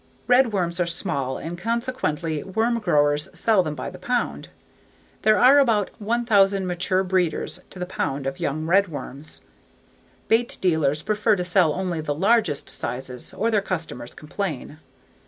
Redworms are small and consequently worm growers sell them by the pound. There are about 1,000 mature breeders to the pound of young redworms. Bait dealers prefer to sell only the largest sizes or their customers complain.